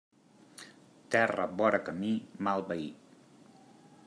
Terra vora camí, mal veí.